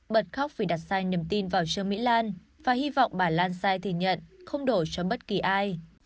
bật khóc vì đặt sai niềm tin vào trương mỹ lan và hy vọng bà lan sai thì nhận không đổ cho bất kỳ ai